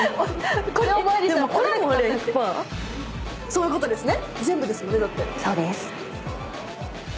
そういうことですね。